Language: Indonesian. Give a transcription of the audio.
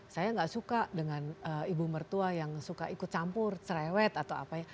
saya nggak suka dengan ibu mertua yang suka ikut campur cerewet atau apa ya